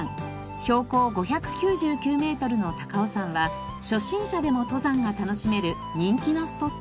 標高５９９メートルの高尾山は初心者でも登山が楽しめる人気のスポット。